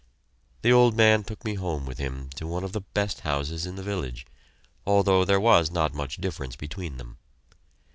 The old man took me home with him to one of the best houses in the village, although there was not much difference between them.